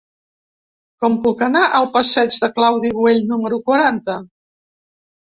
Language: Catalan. Com puc anar al passeig de Claudi Güell número quaranta?